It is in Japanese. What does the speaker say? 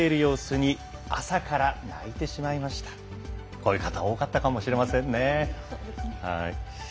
こういう方多かったかもしれませんね。